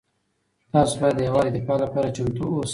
تاسو باید د هېواد د دفاع لپاره چمتو اوسئ.